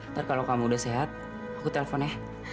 ntar kalau kamu udah sehat aku telepon ya